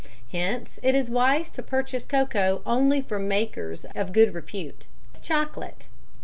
Hence it is wise to purchase cocoa only from makers of good repute. CHOCOLATE.